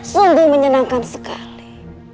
sungguh menyenangkan sekali